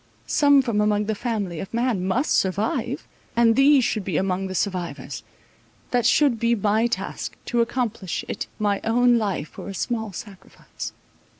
Some from among the family of man must survive, and these should be among the survivors; that should be my task—to accomplish it my own life were a small sacrifice.